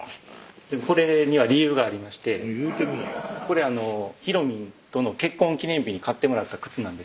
これには理由がありまして言うてみぃやこれひろみんとの結婚記念日に買ってもらった靴なんですよ